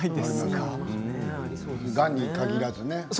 がんに限らずね。